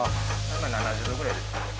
今７０度ぐらいですか。